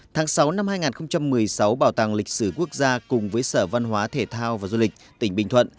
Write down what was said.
tháng sáu năm hai nghìn một mươi sáu bảo tàng lịch sử quốc gia cùng với sở văn hóa thể thao và du lịch tỉnh bình thuận